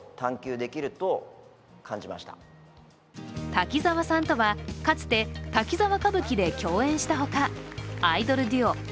滝沢さんとはかつて「滝沢歌舞伎」で共演したほかアイドルデュオ・ＫＥＮ☆